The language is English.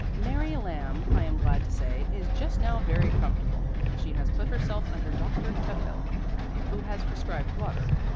Mary Lamb, I am glad to say, is just now very comfortable. She has put herself under Doctor Tuthill, who has prescribed water.